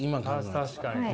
確かにな。